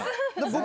僕。